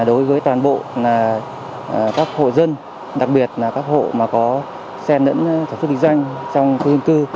đối với toàn bộ các hộ dân đặc biệt là các hộ mà có sen lẫn sản xuất kinh doanh trong khu dân cư